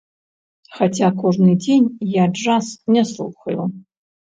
Хаця, кожны дзень я джаз не слухаю.